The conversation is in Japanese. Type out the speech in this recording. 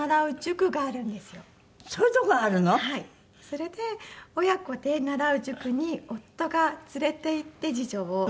それで親子で習う塾に夫が連れていって次女を。